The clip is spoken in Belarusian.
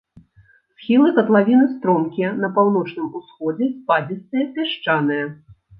Схілы катлавіны стромкія, на паўночным усходзе спадзістыя, пясчаныя.